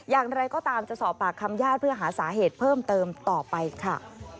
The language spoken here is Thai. อย่างไรก็ตามจะสอบปากคำญาติเพื่อหาสาเหตุเพิ่มเติมต่อไปค่ะ